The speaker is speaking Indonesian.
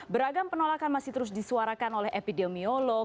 beragam penolakan masih terus disuarakan oleh epidemiolog